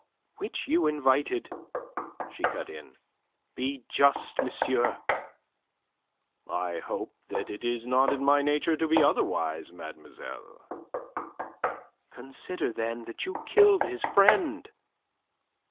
"Which you invited," she cut in. "Be just, monsieur." "I hope that it is not in my nature to be otherwise, mademoiselle." "Consider, then, that you killed his friend."